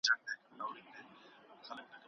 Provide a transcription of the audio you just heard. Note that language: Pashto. د دې کتاب نوم مفرور و.